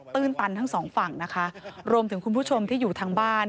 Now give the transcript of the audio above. ื้นตันทั้งสองฝั่งนะคะรวมถึงคุณผู้ชมที่อยู่ทางบ้าน